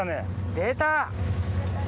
出た！